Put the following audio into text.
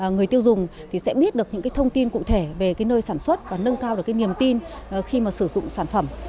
người tiêu dùng sẽ biết được những thông tin cụ thể về nơi sản xuất và nâng cao được nghiềm tin khi sử dụng sản phẩm